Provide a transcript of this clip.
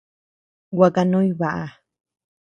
Gua kanuñ baʼa.